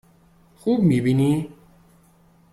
خوب می بینی؟